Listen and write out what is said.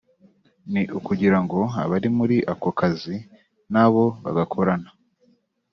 ni ukugira ngo abari muri ako kazi n’abo bagakorana